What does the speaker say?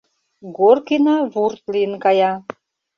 Горкина вурт лийын кая.